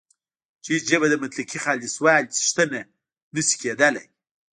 چې هیڅ ژبه د مطلقې خالصوالي څښتنه نه شي کېدلای